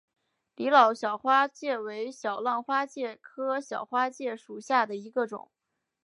李老小花介为小浪花介科小花介属下的一个种。